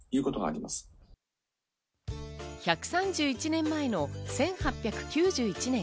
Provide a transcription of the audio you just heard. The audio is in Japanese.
１３１年前の１８９１年。